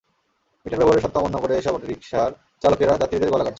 Metre ব্যবহারের শর্ত অমান্য করে এসব অটোরিকশার চালকেরা যাত্রীদের গলা কাটছেন।